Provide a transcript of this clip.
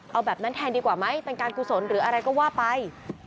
เอาแบบนั้นแทนดีกว่าไหมเป็นการกุศลหรืออะไรก็ว่าไป